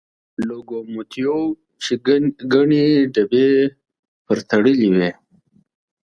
لوکوموتیو چې ګڼې ډبې پرې تړلې وې.